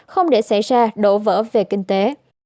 không để xảy ra đổ vỡ về kinh tế